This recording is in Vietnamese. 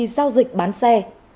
câu dịch bán xe